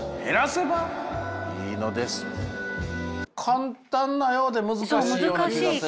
簡単なようで難しいような気がする。